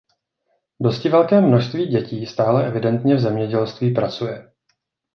Dosti velké množství dětí stále evidentně v zemědělství pracuje.